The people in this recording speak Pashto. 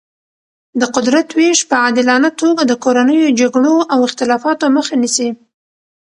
د قدرت ویش په عادلانه توګه د کورنیو جګړو او اختلافاتو مخه نیسي.